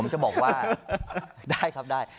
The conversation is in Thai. ผมจะบอกว่าได้ครับได้